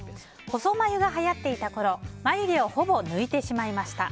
細眉がはやっていたころ眉毛をほぼ抜いてしまいました。